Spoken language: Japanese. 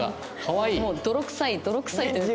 もう泥臭い泥臭いというか。